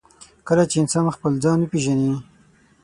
کله چې انسان خپل ځان وپېژني.